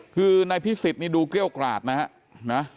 คือนายพิสิทธิ์นี่ดูเกรี้ยวกราดนะฮะ